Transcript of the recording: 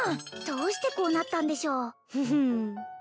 どうしてこうなったんでしょうフフン